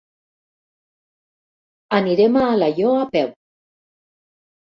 Anirem a Alaior a peu.